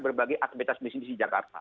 berbagai aktivitas bisnis di jakarta